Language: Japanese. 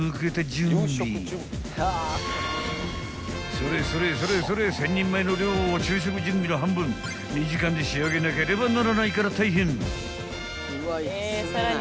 ［それそれそれそれ１，０００人前の量を昼食準備の半分２時間で仕上げなければならないから大変］